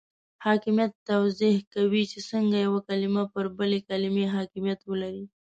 حاکمیت توضیح کوي چې څنګه یوه کلمه پر بله کلمه حاکمیت ولري.